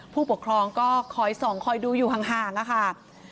ผู้ปกครองก็คอยส่องคอยดูอยู่ห่างค่ะ